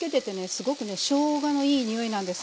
すごくねしょうがのいい匂いなんです。